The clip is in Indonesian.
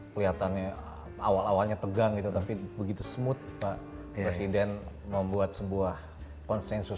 kelihatannya awal awalnya tegang gitu tapi begitu smooth pak presiden membuat sebuah konsensus